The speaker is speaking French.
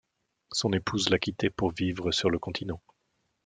Son épouse l'a quitté pour vivre sur le continent.